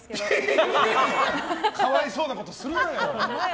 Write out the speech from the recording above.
かわいそうなことするなよ。